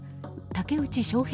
竹内翔平